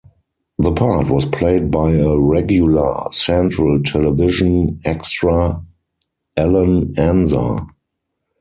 The part was played by a regular Central Television extra Allan Anza.